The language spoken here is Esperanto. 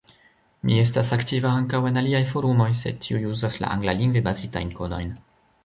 Mi estas aktiva ankaŭ en aliaj forumoj, sed tiuj uzas la anglalingve bazitajn kodojn.